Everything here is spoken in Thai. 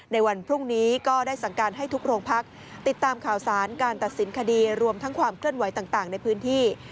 ในวันพรุ่งนี้ก็ได้สั่งการให้ทุกโรงพักติดตามข่าวสารการตัดสินคดีรวมทั้งความเคลื่อนไหวต่างในพื้นที่